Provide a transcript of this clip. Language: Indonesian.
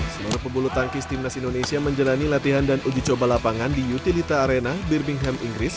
seluruh pebulu tangkis timnas indonesia menjalani latihan dan uji coba lapangan di utilita arena birbingham inggris